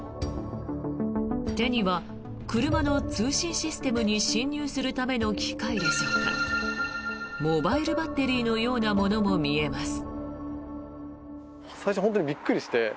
手には車の通信システムに侵入するための機械でしょうかモバイルバッテリーのようなものも見えます。